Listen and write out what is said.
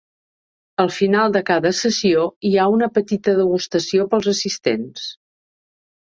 Al final de cada sessió, hi ha una petita degustació pels assistents.